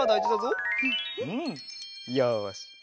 よし。